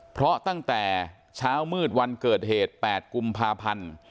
เพราะตั้งแต่เช้ามืดวันเกิดเหตุ๘กุมภาพันธ์